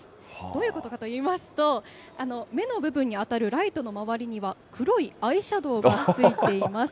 どういうことかといいますと、目の部分に当たるライトの周りには、黒いアイシャドウがついています。